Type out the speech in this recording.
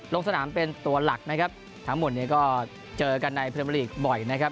ลงสนามเป็นตัวหลักนะครับทั้งหมดเนี่ยก็เจอกันในพรีเมอร์ลีกบ่อยนะครับ